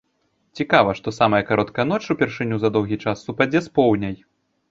Цікава, што самая кароткая ноч упершыню за доўгі час супадзе з поўняй.